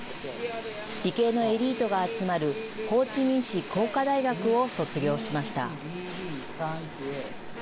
理系のエリートが集まるホーチミン市工科大学を卒業しました。